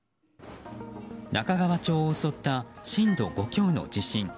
中川町を襲った震度５強の地震。